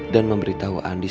dan memberitahu andi